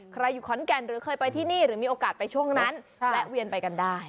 อยู่ขอนแก่นหรือเคยไปที่นี่หรือมีโอกาสไปช่วงนั้นแวะเวียนไปกันได้